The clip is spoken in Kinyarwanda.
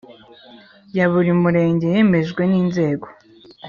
ya buri Murenge yemejwe n inzego